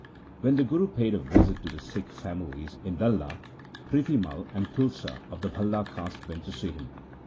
When the Guru paid a visit to the Sikh families in Dalla, Prithi Mai and Tulsa of the Bhalla caste went to see him.